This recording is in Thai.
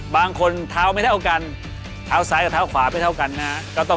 เท้าไม่เท่ากันเท้าซ้ายกับเท้าขวาไม่เท่ากันนะฮะ